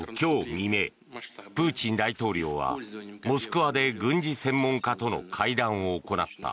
未明プーチン大統領はモスクワで軍事専門家との会談を行った。